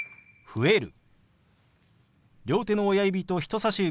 「増える」。